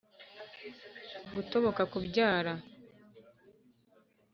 gutoboka kubyara